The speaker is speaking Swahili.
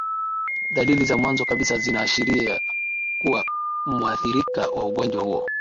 dalili za mwanzo kabisa zinaashiria kuwa muathirika wa ugonjwa huo